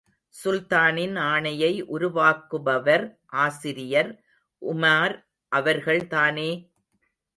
சுல்தானின் ஆணையை உருவாக்குபவர் ஆசிரியர் உமார் அவர்கள்தானே!